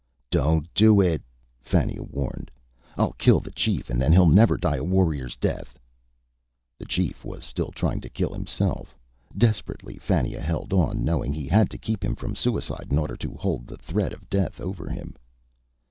"Don't do it," Fannia warned. "I'll kill the chief and then he'll never die a warrior's death." The chief was still trying to kill himself. Desperately, Fannia held on, knowing he had to keep him from suicide in order to hold the threat of death over him.